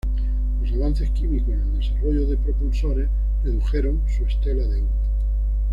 Los avances químicos en el desarrollo de propulsores redujeron su estela de humo.